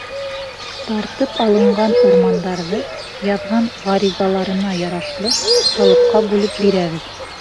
Тартып алынған урмандарҙы, яҙған ғаризаларына ярашлы, халыҡҡа бүлеп бирәбеҙ.